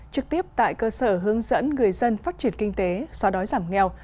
trực tiếp tại cơ sở hướng dẫn người dân phát triển kinh tế xóa đói giảm nghèo